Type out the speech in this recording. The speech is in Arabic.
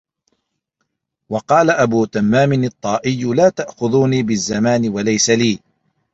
وَقَالَ أَبُو تَمَّامٍ الطَّائِيُّ لَا تَأْخُذُونِي بِالزَّمَانِ وَلَيْسَ لِي